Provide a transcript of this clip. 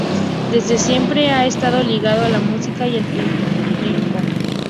Desde siempre ha estado ligado a la música y el flamenco.